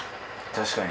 確かに。